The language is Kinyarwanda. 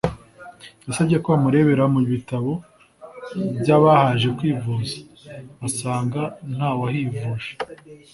yasabye ko bamurebera mu bitabo by’abahaje kwivuza, basanga ntawahivuje